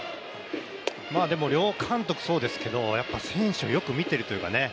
両監督そうですけど選手をよく見ているというかね。